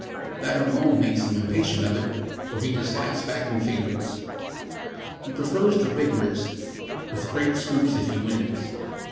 That alone makes him impatient of it, for he dislikes backing favourites. He prefers the big risks, with great scoops if he wins.